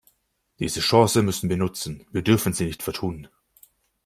Diese Chance müssen wir nutzen, wir dürfen Sie nicht vertun.